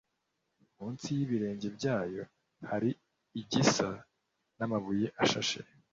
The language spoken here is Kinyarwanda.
Munsi y ibirenge byayo hari igisa n amabuye ashashe